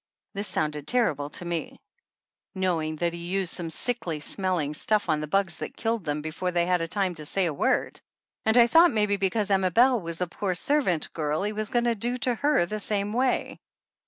This sounded terrible to me, knowing that he used some sickly smelling stuff on the bugs that killed them be fore they had time to say a word, and I thought maybe because Emma Belle was a poor serrant girl he was going to do her the same waj.